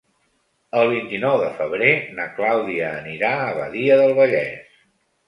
El vint-i-nou de febrer na Clàudia anirà a Badia del Vallès.